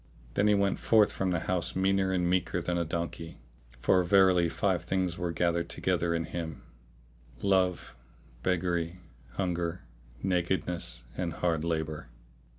Then he went forth from the house meaner and meeker than a donkey, for verily five things were gathered together in him viz.: love, beggary, hunger, nakedness and hard labour.